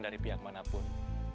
dari pihak manapun